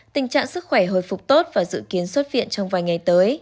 tình trạng sức khỏe hồi phục tốt và dự kiến xuất viện trong vài ngày tới